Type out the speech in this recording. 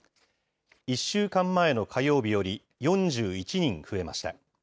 １週間前の火曜日より４１人増えました。